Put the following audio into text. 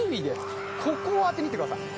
ここを当てにいってください。